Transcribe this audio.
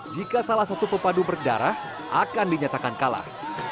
jika salah satu pepadu berdarah akan dinyatakan kalah